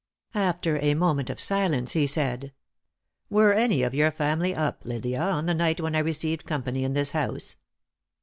After a moment of silence, he said "Were any of your family up, Lydia, on the night when I received company in this house?"